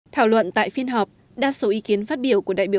thảo luận tại phiên họp đa số ý kiến phát biểu của đại biểu